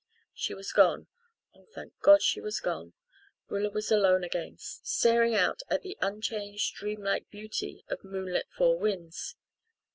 She was gone oh, thank God, she was gone! Rilla was alone again, staring out at the unchanged, dream like beauty of moonlit Four Winds.